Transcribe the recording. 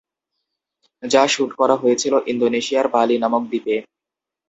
যা শুট করা হয়েছিল ইন্দোনেশিয়ার বালি নামক দ্বীপে।